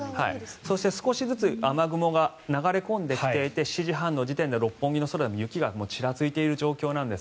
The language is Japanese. そして、少しずつ雨雲が流れ込んできていて７時半時点では六本木の空で雪がちらついている状況なんです。